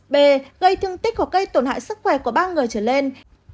b gây thương tích hoặc gây tổn hại sức khỏe của ba người trở lên